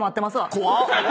怖っ！